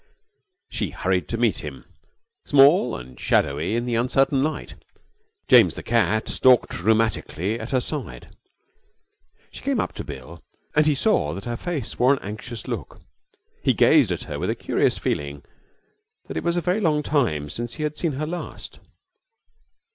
She hurried to meet him, small and shadowy in the uncertain light. James, the cat, stalked rheumatically at her side. She came up to Bill, and he saw that her face wore an anxious look. He gazed at her with a curious feeling that it was a very long time since he had seen her last.